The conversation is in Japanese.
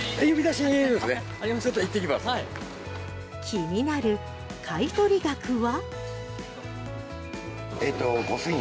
気になる買取額は。